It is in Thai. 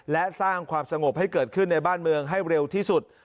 และสร้างความสงบให้เกิดขึ้นในบ้านเมืองให้เร็วที่สุด